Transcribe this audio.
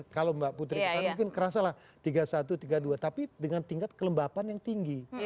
kalau mbak putri kesana mungkin kerasalah tiga puluh satu tiga puluh dua tapi dengan tingkat kelembapan yang tinggi